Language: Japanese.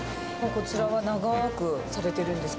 こちらは長くされてるんですか。